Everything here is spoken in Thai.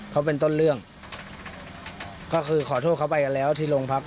เขาเป็นต้นเรื่องก็คือขอโทษเขาไปกันแล้วที่โรงพัก